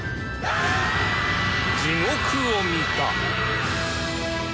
地獄を見た。